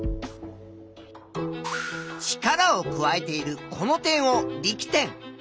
力を加えているこの点を「力点」。